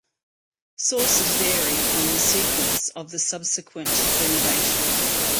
Sources vary on the sequence of the subsequent renovation.